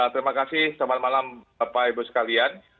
terima kasih selamat malam bapak ibu sekalian